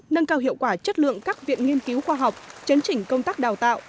nâng cao hiệu quả chất lượng các viện nghiên cứu khoa học chấn chỉnh công tác đào tạo